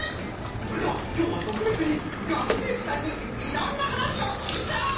それではきょうはとくべつにガムテープさんにいろんなはなしをきいちゃおう！